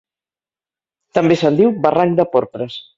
També se'n diu Barranc de Porpres.